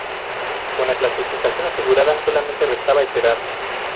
Con la clasificación asegurada, solamente restaba esperar.